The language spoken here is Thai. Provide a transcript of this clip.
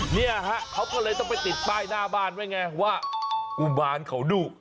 เนี่ยฮะเขาก็เลยต้องไปติดป้ายหน้าบ้านไว้ไงว่ากุมารเขาดุ